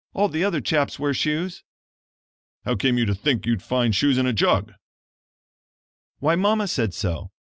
All the other chaps wear shoes." "How came you to think you'd find shoes in a jug?" "Why Mama said so.